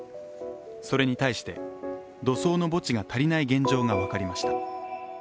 それに対して、土葬の墓地が足りない現状が分かりました。